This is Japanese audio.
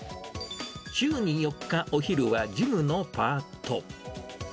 週に４日、お昼は事務のパート。